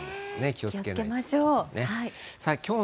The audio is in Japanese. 気をつけましょう。